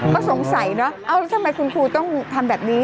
ก็สงสัยเนอะเอ้าแล้วทำไมคุณครูต้องทำแบบนี้